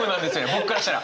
僕からしたら。